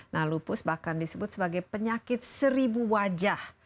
nah lupus bahkan disebut sebagai penyakit seribu wajah